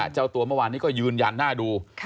เจ้าตัวเมื่อวานนี้ก็ยืนยันหน้าดู